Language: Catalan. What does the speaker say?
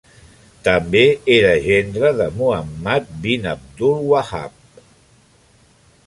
També era gendre de Muhammad bin Abdul Wahhab.